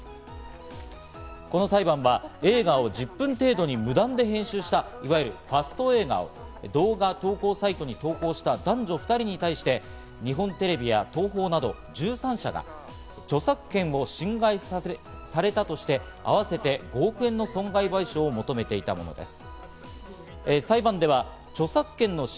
この裁判は映画を１０分程度に無断で編集した、いわゆるファスト映画を動画投稿サイトに投稿した男女２人に対して、日本テレビや東宝など１３社が著作権を侵害されたとして、あわせて５億円の損害賠償を求めていたものです。